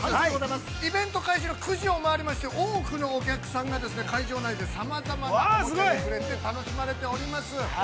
イベント開始の９時を回りまして多くのお客さんが会場内でさまざまなおもちゃに触れて楽しまれております。